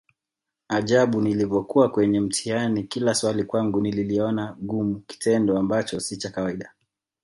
Ajabu nilivokuwa kwenye mtihani kila swali kwangu nililiona gumu kitendo Ambacho si cha kawaida